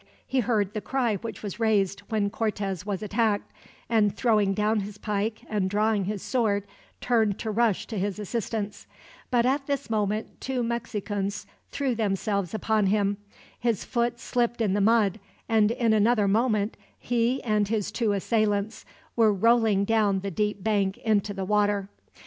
He heard the cry which was raised, when Cortez was attacked; and throwing down his pike and drawing his sword, turned to rush to his assistance; but at this moment two Mexicans threw themselves upon him, his foot slipped in the mud, and in another moment he and his two assailants were rolling down the deep bank into the water.